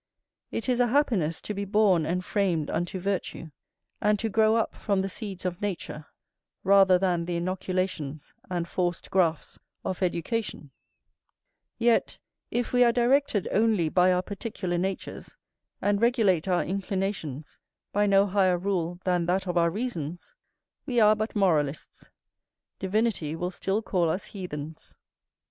It is a happiness to be born and framed unto virtue, and to grow up from the seeds of nature, rather than the inoculations and forced grafts of education: yet, if we are directed only by our particular natures, and regulate our inclinations by no higher rule than that of our reasons, we are but moralists; divinity will still call us heathens.